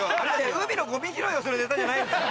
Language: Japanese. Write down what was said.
海のゴミ拾いをするネタじゃないんですよ。